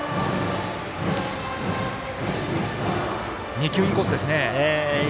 ２球インコースですね。